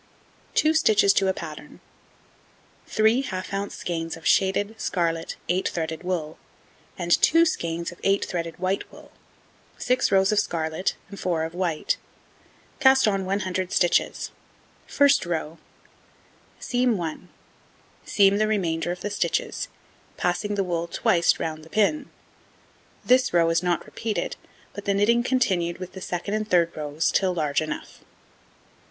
Two stitches to a pattern, 3 half ounce skeins of shaded scarlet 8 threaded wool, and 2 skeins of 8 threaded white wool, 6 rows of scarlet, and 4 of white. Cast on 100 stitches. First row: Seam 1, seam the remainder of the stitches, passing the wool twice round the pin. This row is not repeated, but the knitting continued with the 2d and 3d rows till large enough.